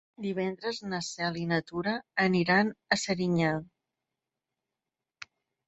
Divendres na Cel i na Tura aniran a Serinyà.